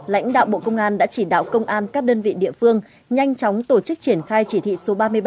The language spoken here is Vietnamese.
lãnh đạo bộ công an đã chỉ đạo công an các đơn vị địa phương nhanh chóng tổ chức triển khai chỉ thị số ba mươi ba